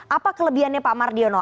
apa kelebihannya pak marjono